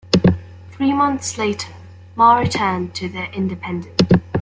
Three months later, Marr returned to "The Independent".